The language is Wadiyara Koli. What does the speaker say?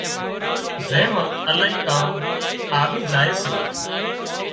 زين مان الاهي ڪام آوِي زائي سي